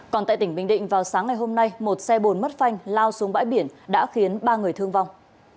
còn tại tỉnh bình định vào sáng ngày hôm nay một xe bồn mất phanh lao xuống bãi biển đã khiến ba người thương vong